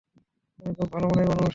তুমি খুব ভালো মনের মানুষ।